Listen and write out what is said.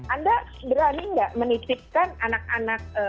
anda berani nggak menitipkan anak anak